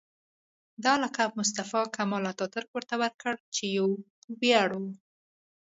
دا لقب مصطفی کمال اتاترک ورته ورکړ چې یو ویاړ و.